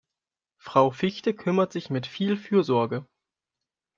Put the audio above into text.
Frau Fichte kümmert sich mit viel Fürsorge.